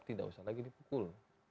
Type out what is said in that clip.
tidak usah lagi dipukul